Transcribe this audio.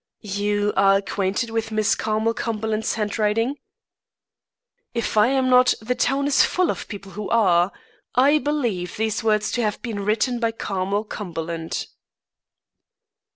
"You are acquainted with Miss Carmel Cumberland's handwriting?" "If I am not, the town is full of people who are. I believe these words to have been written by Carmel Cumberland."